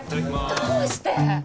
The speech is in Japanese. どうして！？